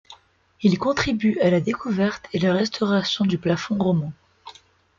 Il contribue à la découverte et la restauration du plafond roman.